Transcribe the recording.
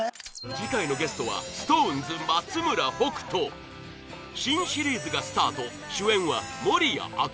次回のゲストは ＳｉｘＴＯＮＥＳ 松村北斗新シリーズがスタート主演は守屋茜